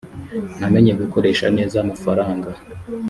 namenye gukoresha neza amafaranga